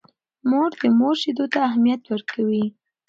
مور د مور شیدو ته اهمیت ورکوي.